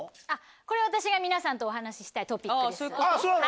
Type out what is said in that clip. これは私が皆さんとお話ししたいトピックです。